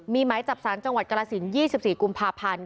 มีหมายจับสารจังหวัดกรสิน๒๔กุมภาพันธ์